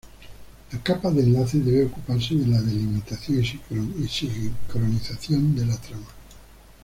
La capa de enlace debe ocuparse de la delimitación y sincronización de la trama.